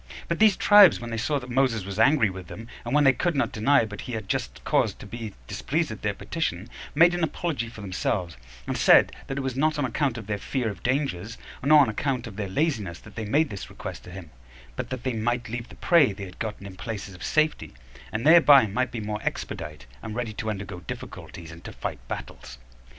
But these tribes, when they saw that Moses was angry with them, and when they could not deny but he had a just cause to be displeased at their petition, made an apology for themselves; and said, that it was not on account of their fear of dangers, nor on account of their laziness, that they made this request to him, but that they might leave the prey they had gotten in places of safety, and thereby might be more expedite, and ready to undergo difficulties, and to fight battles.